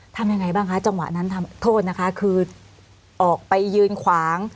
ทำยังไงบ้างคะจังหวะนั้นโทษนะคะคือออกไปยืนขวาง